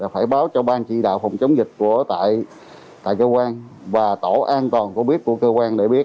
phải báo cho ban chỉ đạo phòng chống dịch tại cơ quan và tổ an toàn của biết của cơ quan để biết